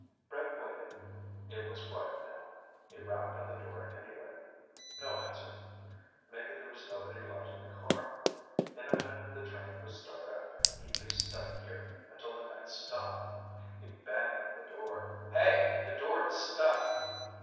Brett waited. It was quiet now. He rapped on the door anyway. No answer. Maybe there was nobody left in the car. In a minute the train would start up and he'd be stuck here until the next stop. He banged on the door. "Hey! The door is stuck!"